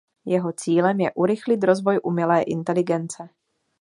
Jeho cílem je urychlit rozvoj umělé inteligence.